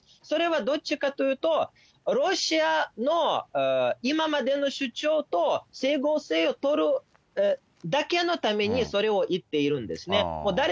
それはどっちかというと、ロシアの今までの主張と整合性を取るだけのために、それを言っているんですね。